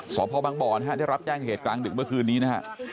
สพบังบ่อนะฮะได้รับแจ้งเหตุกลางดึกเมื่อคืนนี้นะฮะ